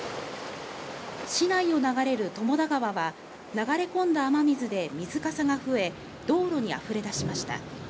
市内を流れる友田川は、流れ込んだ雨水で水かさが増え、道路にあふれ出しました。